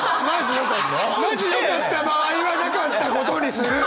マジよかった場合はなかったことにする！